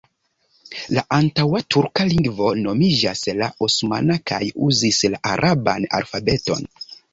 La antaŭa turka lingvo nomiĝas la osmana kaj uzis la araban alfabeton.